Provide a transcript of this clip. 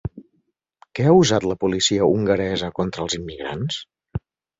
Què ha usat la policia hongaresa contra els immigrants?